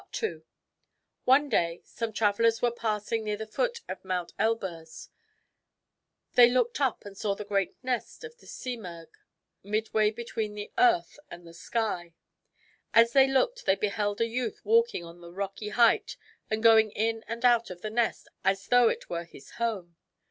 II One day some travelers were passing near the foot of Mount Elburz. They looked up and saw the great nest of the Simurgh midway between the earth and the sky. As they looked they beheld a youth walking on the rocky height and going in and out of the nest as though it were his home.